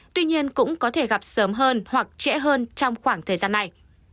tuy nhiên cũng có thể gặp sớm hơn hoặc trễ hơn trong khoảng thời gian này